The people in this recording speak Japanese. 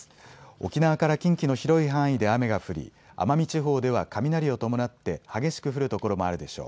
沖縄から近畿の広い範囲で雨が降り、奄美地方では雷を伴って激しく降る所もあるでしょう。